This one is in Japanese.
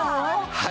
はい。